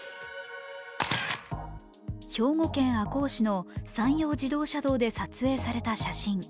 兵庫県赤穂市の山陽自動車道で撮影された写真。